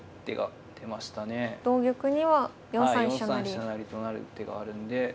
４三飛車成と成る手があるんで。